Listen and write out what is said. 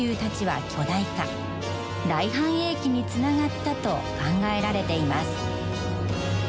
大繁栄期につながったと考えられています。